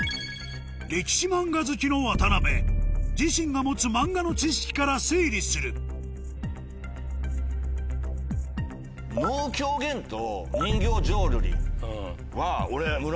歴史漫画好きの渡辺自身が持つ漫画の知識から推理する能・狂言と人形浄瑠璃は俺。